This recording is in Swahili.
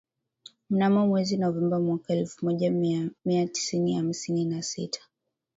Mnamo mwezi Novemba mwaka elfu moja mia tisa hamsini na sita